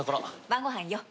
晩ごはんよ。